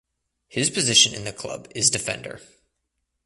His position in the club is defender.